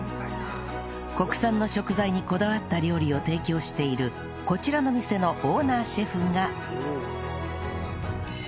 国産の食材にこだわった料理を提供しているこちらの店のオーナーシェフが